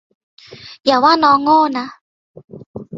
อย่าว่าน้องโง่นะ